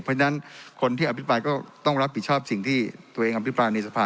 เพราะฉะนั้นคนที่อภิปรายก็ต้องรับผิดชอบสิ่งที่ตัวเองอภิปรายในสภา